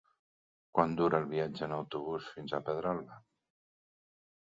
Quant dura el viatge en autobús fins a Pedralba?